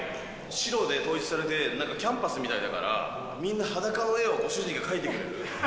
白で統一されて、なんかキャンバスみたいだから、みんな、裸の絵をご主人が描いてくれる。